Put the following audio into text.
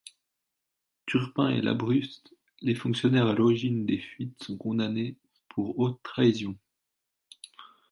Turpin et Labrusse, les fonctionnaires à l'origine des fuites, sont condamnés pour haute trahison.